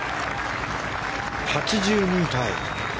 ８２位タイ。